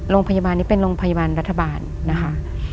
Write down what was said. โรงพยาบาลนี้เป็นโรงพยาบาลรัฐบาลนะคะ